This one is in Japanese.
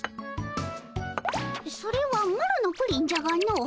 それはマロのプリンじゃがの。